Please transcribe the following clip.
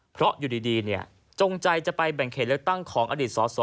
เพราะอยู่ดีจงใจจะไปแบ่งเขตเลือกตั้งของอดีตสส